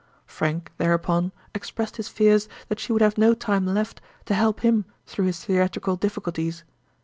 Frank thereupon expressed his fears that she would have no time left to help him through his theatrical difficulties.